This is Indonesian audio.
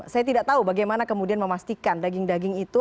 saya tidak tahu bagaimana kemudian memastikan daging daging itu